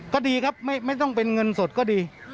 ก็ดีครับไม่ต้องเป็นเงินสดก็ดี